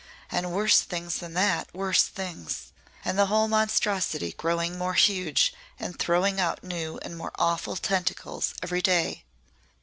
"And worse things than that worse things! And the whole monstrosity growing more huge and throwing out new and more awful tentacles every day."